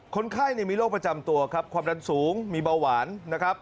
คนไข้มีโรคประจำตัวครับความดันสูงมีเบาหวานนะครับ